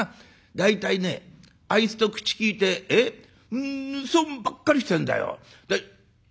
大体ねあいつと口利いて損ばっかりしてんだよ。